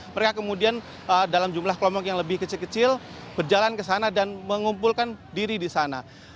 mereka kemudian dalam jumlah kelompok yang lebih kecil kecil berjalan ke sana dan mengumpulkan diri di sana